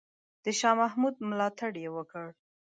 د شاه محمود ملاتړ یې وکړ.